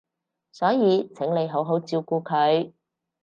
所以請你好好照顧佢